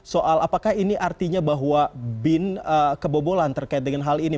soal apakah ini artinya bahwa bin kebobolan terkait dengan hal ini